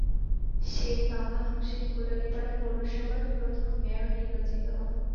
শেখ কামাল হোসেন কোটালীপাড়া পৌরসভার প্রথম মেয়র নির্বাচিত হন।